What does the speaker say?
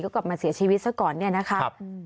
ก็กลับมาเสียชีวิตซะก่อนเนี่ยนะคะ